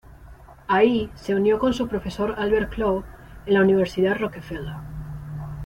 Ahí, se unió con su profesor Albert Claude en la Universidad Rockefeller.